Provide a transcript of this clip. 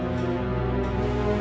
ibu aku mau pergi ke rumah